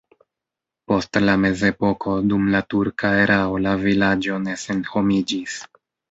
Post la mezepoko dum la turka erao la vilaĝo ne senhomiĝis.